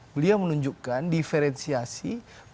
beliau menunjukkan diferensiasi